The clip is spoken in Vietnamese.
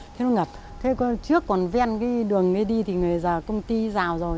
thế nó ngật thế trước còn ven cái đường đi thì công ty rào rồi